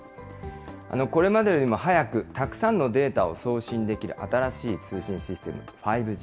これまでよりも早く、たくさんのデータを送信できる新しい通信システム、５Ｇ。